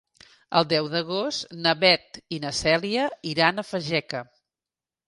El deu d'agost na Beth i na Cèlia iran a Fageca.